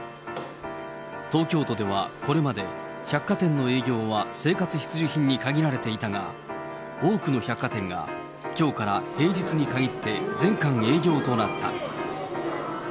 東京都ではこれまで、百貨店の営業は生活必需品に限られていたが、多くの百貨店が、きょうから平日に限って、全館営業となった。